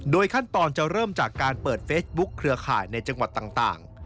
ขั้นตอนจะเริ่มจากการเปิดเฟซบุ๊คเครือข่ายในจังหวัดต่าง